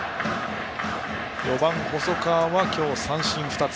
４番、細川は今日三振２つ。